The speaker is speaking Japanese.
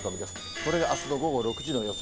これがあすの午後６時の予想。